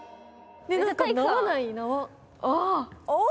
あっ！